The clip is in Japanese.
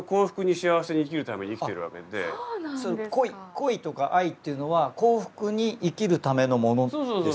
恋とか愛っていうのは幸福に生きるためのものですか？